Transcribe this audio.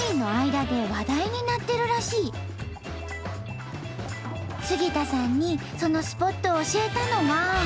スポット杉田さんにそのスポットを教えたのが。